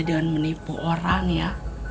dengan menipu orang ya